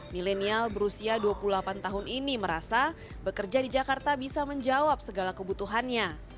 milenial berusia dua puluh delapan tahun ini merasa bekerja di jakarta bisa menjawab segala kebutuhannya